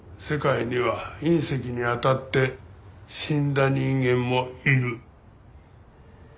世界には隕石に当たって死んだ人間もいる。